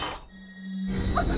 あっ！